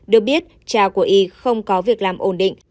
được biết cha của y không có việc làm ổn định